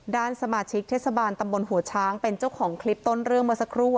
ด้านสมาชิกเทศบาลตำบลหัวช้างเป็นเจ้าของคลิปต้นเรื่องเมื่อสักครู่